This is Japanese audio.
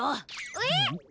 えっ！？